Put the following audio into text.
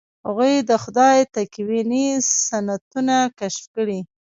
هغوی د خدای تکویني سنتونه کشف کړي.